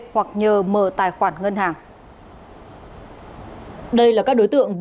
hoặc nhờ mở tài khoản ngân hàng